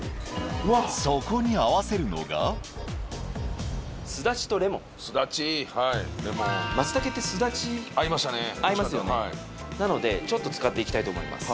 そこに合わせるのがすだちはいレモン松茸ってすだち合いますよね合いましたねなのでちょっと使っていきたいと思います